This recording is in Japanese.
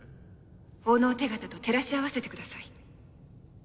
奉納手形と照らし合わせてください。